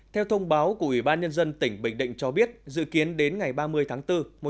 theo thông báo của ủy ban nhân dân tỉnh bình định cho biết dự kiến đến ngày ba mươi tháng bốn